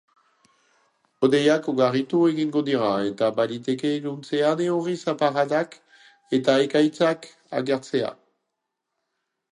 Hodeiak ugaritu egingo dira, eta baliteke iluntzean euri zaparradak eta ekaitzak agertzea.